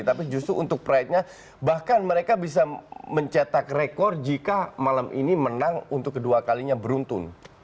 tapi justru untuk pride nya bahkan mereka bisa mencetak rekor jika malam ini menang untuk kedua kalinya beruntun